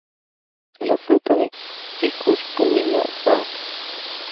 La fruta de "Ficus pumila" var.